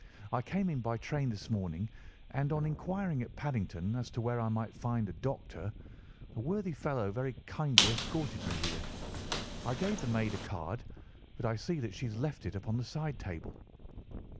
I came in by train this morning, and on inquiring at Paddington as to where I might find a doctor, a worthy fellow very kindly escorted me here. I gave the maid a card, but I see that she has left it upon the side table."